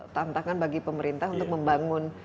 tantangan bagi pemerintah untuk membangun